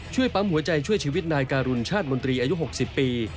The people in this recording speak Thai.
ปั๊มหัวใจช่วยชีวิตนายการุณชาติมนตรีอายุ๖๐ปี